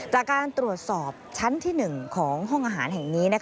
จากการตรวจสอบชั้นที่๑ของห้องอาหารแห่งนี้